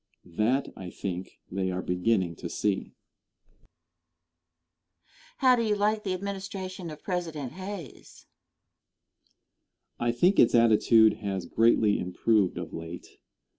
That I think they are beginning to see. Question. How do you like the administration of President Hayes? Answer. I think its attitude has greatly improved of late.